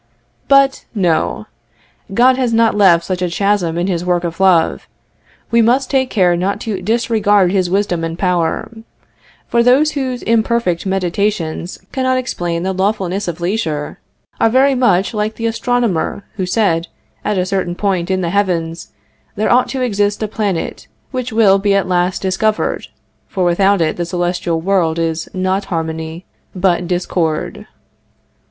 But, no! God has not left such a chasm in his work of love. We must take care not to disregard his wisdom and power; for those whose imperfect meditations cannot explain the lawfulness of leisure, are very much like the astronomer who said, at a certain point in the heavens there ought to exist a planet which will be at last discovered, for without it the celestial world is not harmony, but discord.